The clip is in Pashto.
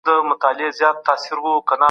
د لرغوني خراسان د سرحدونو موقعیت واضح سي.